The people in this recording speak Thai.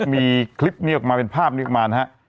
มีคลิปนี้ออกมาเป็นภาพนี้ออกมานะฮะ